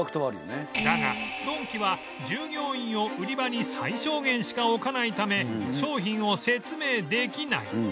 だがドンキは従業員を売り場に最小限しか置かないため商品を説明できない